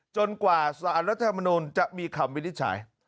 กว่าสารรัฐธรรมนุนจะมีคำวินิจฉัย